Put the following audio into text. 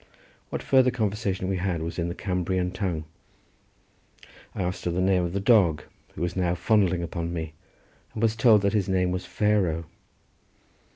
What further conversation we had was in the Cambrian tongue. I asked the name of the dog, who was now fondling upon me, and was told that his name was Pharaoh.